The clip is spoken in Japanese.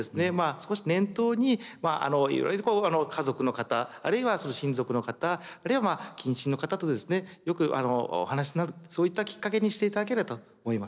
少し念頭にいろいろとこう家族の方あるいはその親族の方あるいは近親の方とよくお話しになるそういったきっかけにしていただければと思います。